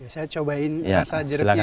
saya cobain rasa jeruknya ya mas ya